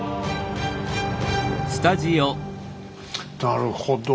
なるほど。